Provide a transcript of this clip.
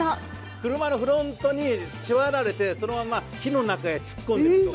車のフロントに縛られて、そのまんま火の中へ突っ込んだとかね。